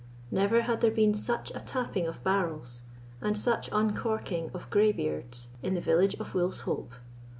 Never had there been such a tapping of barrels, and such uncorking of greybeards, in the village of Wolf's Hope.